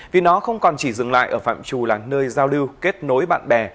vì nó không còn chỉ dừng lại ở phạm trù là nơi giao lưu kết nối bạn bè